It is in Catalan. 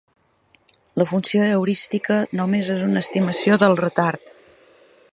La funció heurística només és una estimació del retard.